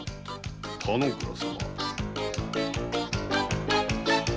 田之倉様。